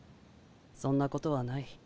そんなことはない。